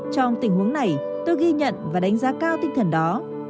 trong tình huống này tôi ghi nhận và đánh giá cao tinh thần đó